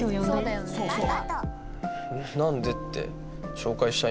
そうそう。